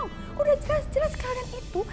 aku udah jelas jelas kalian itu